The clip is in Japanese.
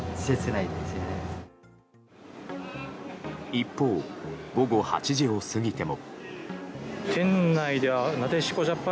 一方、午後８時を過ぎても。